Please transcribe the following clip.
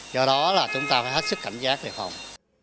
do đó là chúng ta phải hết sức cảnh giác đề phòng